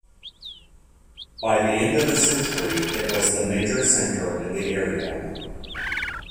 By the end of the century it was the major centre in the area.